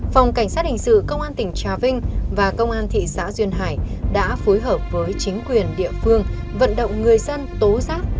phòng cảnh sát hình sự công an tỉnh trà vinh và công an thị xã duyên hải đã phối hợp với chính quyền địa phương vận động người dân tố giác